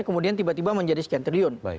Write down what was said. kemudian tiba tiba menjadi sekian triliun